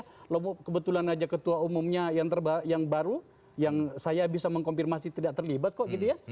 kalau kebetulan aja ketua umumnya yang baru yang saya bisa mengkonfirmasi tidak terlibat kok gitu ya